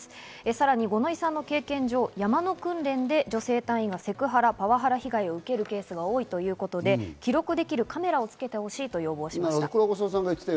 さらに五ノ井さんの経験上、山の訓練で女性隊員がセクハラ、パワハラ被害を受けるケースが多いということで、記録できるカメラをつけてほしいと要望しました。